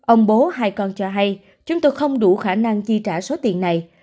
ông bố hai con cho hay chúng tôi không đủ khả năng chi trả số tiền này